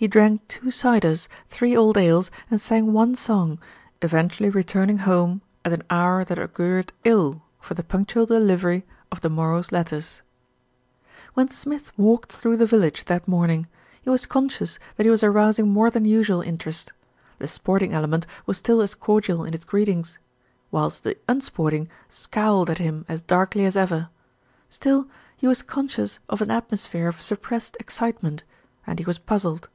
He drank two ciders, three old ales and sang one song, eventually returning home at an hour that augured ill for the punctual delivery of the morrow's letters. 284 THE RETURN OF ALFRED When Smith walked through the village that morn ing, he was conscious that he was arousing more than usual interest. The sporting element was still as cor dial in its greetings; whilst the unsporting scowled at him as darkly as ever; still he was conscious of an at mosphere of suppressed excitement, and he was puz zled.